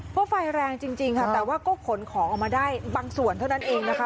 เพราะไฟแรงจริงค่ะแต่ว่าก็ขนของออกมาได้บางส่วนเท่านั้นเองนะคะ